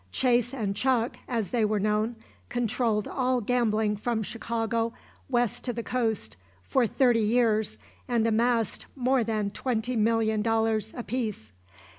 Chase and Chuck, as they were known, controled all gambling from Chicago west to the coast for thirty years and amassed more than $20,000,000 apiece.